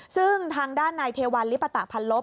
ซึ่งทางด้านนายเทวัลลิปตะพันลบ